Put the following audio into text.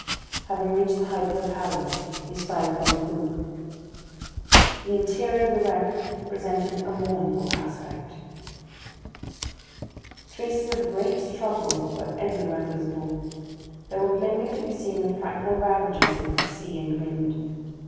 Having reached the height of the paddles, he sprang upon the poop. The interior of the wreck presented a mournful aspect. Traces of a great struggle were everywhere visible. There were plainly to be seen the frightful ravages of the sea and wind.